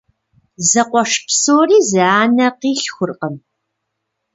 Зэкъуэш псори зы анэ къилъхуркъым.